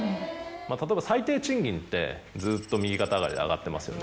まぁ例えば最低賃金ってずっと右肩上がりで上がってますよね。